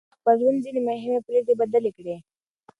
حیات الله د خپل ژوند ځینې مهمې پرېکړې بدلې کړې.